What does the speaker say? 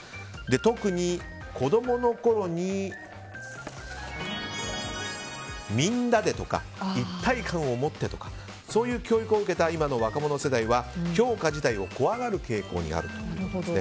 特に子供のころにみんなでとか一体感を持ってとかそういう教育を受けた今の若者世代は評価自体を怖がる傾向にあるということです。